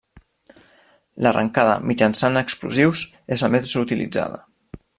L'arrencada mitjançant explosius és la més utilitzada.